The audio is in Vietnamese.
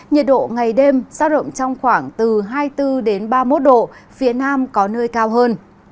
nhiệt độ ngày đêm xa rộng trong khoảng từ hai mươi bốn đến ba mươi một độ phía nam có nơi cao hơn